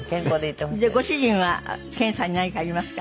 ご主人は研さんに何かありますか？